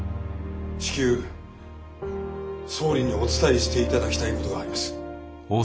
至急総理にお伝えしていただきたいことがあります。